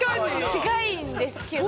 近いんですけど。